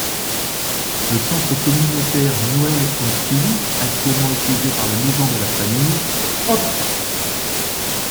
Le Centre communautaire Noël-Anctil, actuellement utilisé par la Maison de la Famille, Hop!